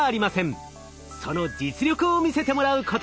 その実力を見せてもらうことに。